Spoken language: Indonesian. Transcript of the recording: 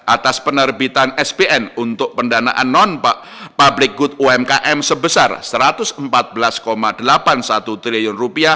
atas penerbitan spn untuk pendanaan non public good umkm sebesar rp satu ratus empat belas delapan puluh satu triliun